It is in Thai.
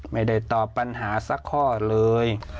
ไม่ได้ตอบปัญหาสักข้อเลย